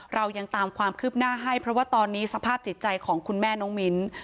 เรายังตามความคืบหน้าให้เพราะว่าตอนนี้สภาพจิตใจของคุณแม่น้องมิ้น